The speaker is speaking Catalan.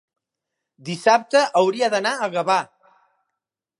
dissabte hauria d'anar a Gavà.